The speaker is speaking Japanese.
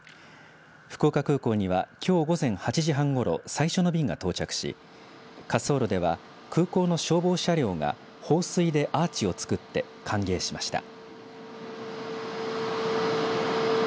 福岡空港には、きょう午前８時半ごろ最初の便が到着し滑走路では空港の消防車両が放水でアーチを作って歓迎しました。